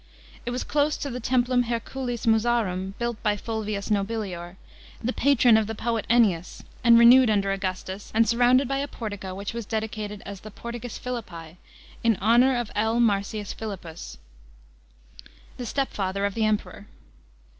It was close to the Tc.mplum Herculis Mnsarum built by Fulvius Nobilior, the patron of the poet Ennius, and renewed under Augustus, and surrounded by a portico which was dedicated as the Portions Philippi, in honour of L. Marcins Philippus, the step father of the Em|>eror.